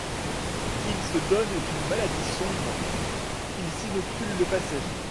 Ils se donnent une maladie sombre; ils s'inoculent le passé.